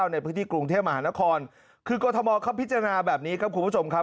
ในพื้นที่กรุงเทพมหานครคือกรทมเขาพิจารณาแบบนี้ครับคุณผู้ชมครับ